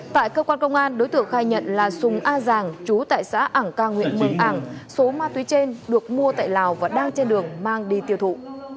tại cơ quan công an đối tượng khai nhận là sùng a giàng chú tại xã ảng cang huyện mường ảng số ma túy trên được mua tại lào và đang trên đường mang đi tiêu thụ